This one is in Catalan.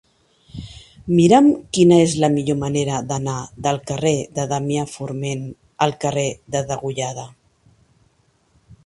Mira'm quina és la millor manera d'anar del carrer de Damià Forment al carrer de Degollada.